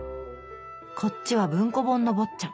こっちは文庫本の「坊っちゃん」。